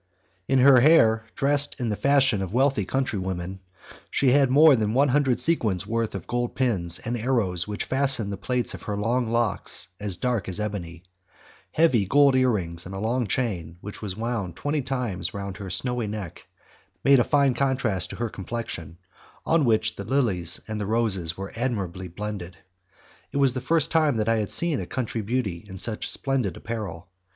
In her hair, dressed in the fashion of wealthy countrywomen, she had more than one hundred sequins' worth of gold pins and arrows which fastened the plaits of her long locks as dark as ebony. Heavy gold ear rings, and a long chain, which was wound twenty times round her snowy neck, made a fine contrast to her complexion, on which the lilies and the roses were admirably blended. It was the first time that I had seen a country beauty in such splendid apparel.